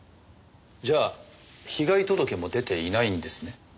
じゃあ被害届も出ていないんですね？